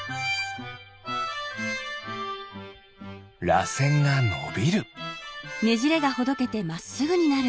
らせんがのびる。